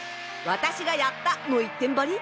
「私がやった」の一点張り！？